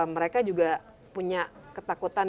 mereka juga punya ketakutan